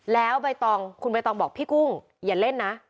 แล้วใบตองคุณใบตองบอกพี่กุ้งอย่าเล่นนะ